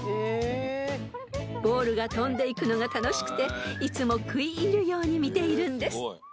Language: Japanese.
［ボールが飛んでいくのが楽しくていつも食い入るように見ているんです］